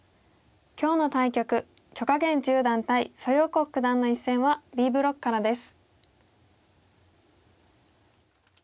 今日の対局許家元十段対蘇耀国九段の一戦はＢブロックからです。